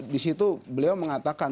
di situ beliau mengatakan